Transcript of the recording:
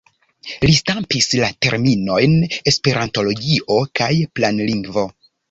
Li stampis la terminojn esperantologio kaj planlingvo.